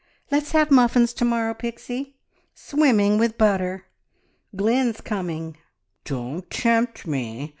... Let's have muffins to morrow, Pixie, swimming with butter. Glynn's coming!" "Don't tempt me!